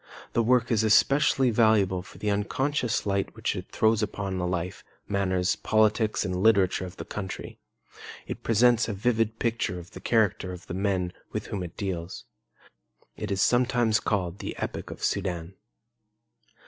The work is especially valuable for the unconscious light which it throws upon the life, manners, politics, and literature of the country. It presents a vivid picture of the character of the men with whom it deals. It is sometimes called the Epic of the Sudan.